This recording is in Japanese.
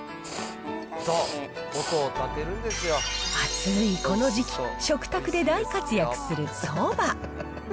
暑いこの時期、食卓で大活躍するそば。